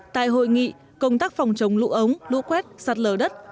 tại hội nghị công tác phòng chống lũ ống lũ quét sạt lở đất